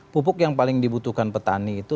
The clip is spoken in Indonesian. pupuk yang paling dibutuhkan petani itu